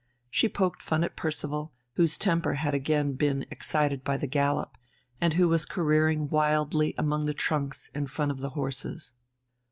She poked fun at Percival, whose temper had again been excited by the gallop, and who was careering wildly among the trunks in front of the horses.